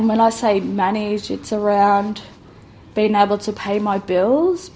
dan ketika saya menguruskan itu mengenai bisa membayar bil saya